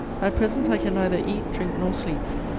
At present I can neither eat, drink, nor sleep.